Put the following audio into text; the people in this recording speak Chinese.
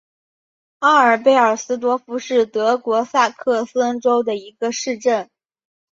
奥尔贝尔斯多夫是德国萨克森州的一个市镇。